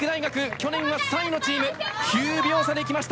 去年は３位のチーム９秒差できました。